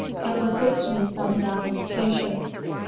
It would boost me some down at the station.